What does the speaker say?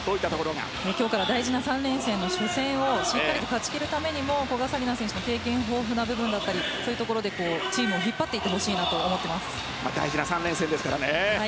今日から大事な３連戦の初戦をしっかり勝ち切るために古賀紗理那選手の経験豊富な部分だったりそういうところでチームを引っ張っていってほしいなと大事な３連戦ですからね。